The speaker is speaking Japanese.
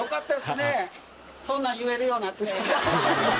そんなん言えるようになって。